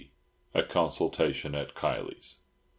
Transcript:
A CONSULTATION AT KILEY'S.